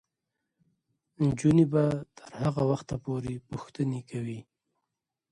نجونې به تر هغه وخته پورې پوښتنې کوي.